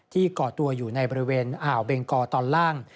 ก่อตัวอยู่ในบริเวณอ่าวเบงกอตอนล่าง